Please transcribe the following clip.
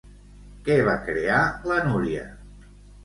Què va crear, la Núria?